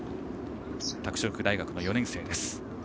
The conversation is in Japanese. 拓殖大学の４年生です。